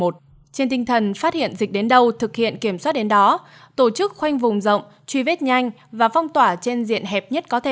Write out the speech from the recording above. trên tinh thần phát hiện dịch đến đâu thực hiện kiểm soát đến đó tổ chức khoanh vùng rộng truy vết nhanh và phong tỏa trên diện hẹp